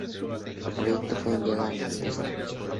El proyecto fue enviado a Nintendo.